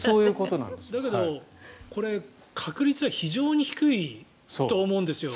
だけど、これ、確率は非常に低いと思うんですよ。